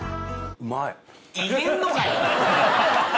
うまい。